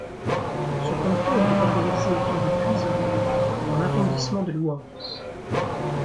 Ce canton était organisé autour de Cuisery dans l'arrondissement de Louhans.